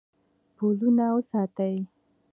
پلونه وساتئ